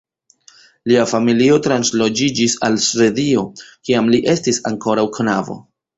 Lia familio transloĝiĝis al Svedio, kiam li estis ankoraŭ knabo.